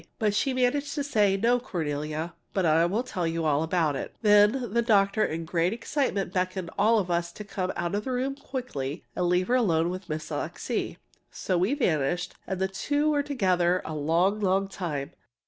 But she managed to say, "No, Cornelia, but I'll tell you all about it." Then the doctor in great excitement beckoned us all to come out of the room quickly and leave her alone with Miss Alixe. So we vanished, and the two were there together a long, long time.